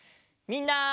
みんな。